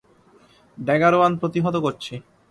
Dagger one প্রতিহত করছি।